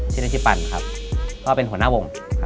ที่นาทีปันครับก็เป็นหัวหน้าวงครับ